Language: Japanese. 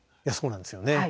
そうなんですよね。